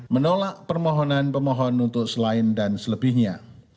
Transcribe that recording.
menolak permohonan pemohon untuk selain dan selebihnya